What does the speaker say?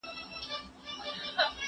زه به سبا کښېناستل وکړم!!